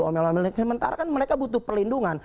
mementara kan mereka butuh perlindungan